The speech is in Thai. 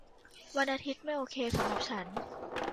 วันอาทิตย์ไม่โอเคสำหรับฉัน